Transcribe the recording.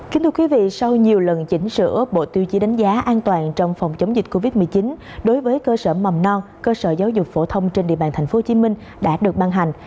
kính thưa quý vị sau nhiều lần chỉnh sửa bộ tiêu chí đánh giá an toàn trong phòng chống dịch covid một mươi chín đối với cơ sở mầm non cơ sở giáo dục phổ thông trên địa bàn tp hcm đã được ban hành